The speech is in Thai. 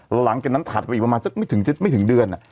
หลังจากนั้นถัดไปอีกประมาณสักไม่ถึงเดือน